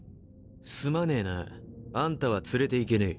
すまねぇなあんたは連れていけねえ。